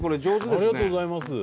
ありがとうございます。